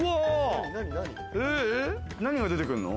何が出てくるの？